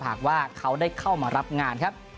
หากว่าเขาได้เข้ามารับงานครับ